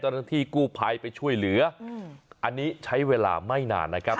เจ้าหน้าที่กู้ภัยไปช่วยเหลืออันนี้ใช้เวลาไม่นานนะครับ